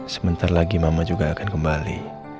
sebentar lagi mama juga akan kembali